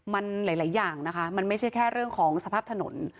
มันหลายอย่างนะคะมันไม่ใช่แค่เรื่องของสภาพถนน